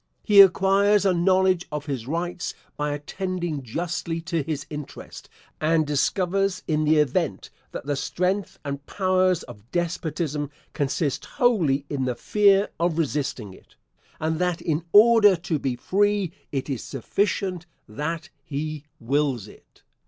He acquires a knowledge of his rights by attending justly to his interest, and discovers in the event that the strength and powers of despotism consist wholly in the fear of resisting it, and that, in order "to be free, it is sufficient that he wills it."